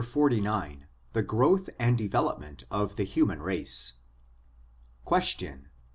XLIX THE GROWTH AND DEVELOPMENT OF THE HUMAN RACE Question.